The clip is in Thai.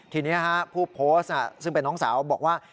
ทีนี้ผู้โพสต์ซึ่งเป็นน้องสาวบอกว่า